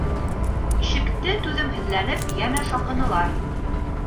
Ишекте түҙемһеҙләнеп йәнә шаҡынылар.